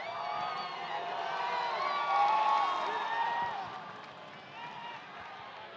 danah yang berharga dan kemampuan